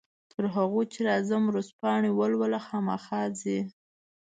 تر هغو چې راځم ورځپاڼې ولوله، خامخا ځې؟